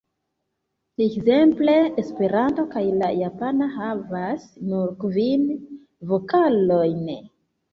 Ekzemple, Esperanto kaj la japana havas nur kvin vokalojn.